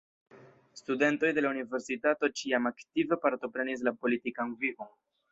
Studentoj de la universitato ĉiam aktive partoprenis la politikan vivon.